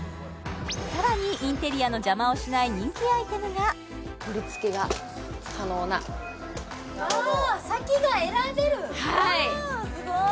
さらにインテリアの邪魔をしない人気アイテムがはいすごい！